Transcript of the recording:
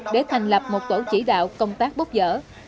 để thành lập một tổ chỉ đạo công tác bốc dở